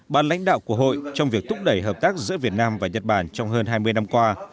ban lãnh đạo của hội trong việc thúc đẩy hợp tác giữa việt nam và nhật bản trong hơn hai mươi năm qua